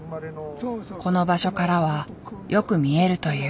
この場所からはよく見えるという。